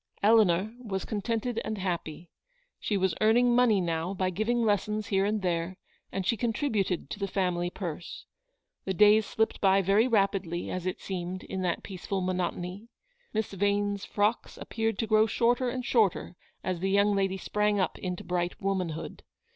Eleanor was contented and happy. She was earning money now by giving lessons here and there, and she contributed to the family purse. The days slipped by very rapidly, as it seemed, in that peaceful monotony. Miss Vane's frocks appeared to grow shorter and shorter as the young lady sprang up into bright womanhood.